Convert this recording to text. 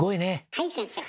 はい先生。